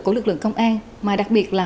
của lực lượng công an mà đặc biệt là